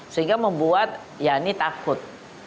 sehingga membuat yani takut